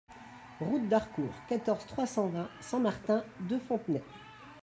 Route d'Harcourt, quatorze, trois cent vingt Saint-Martin-de-Fontenay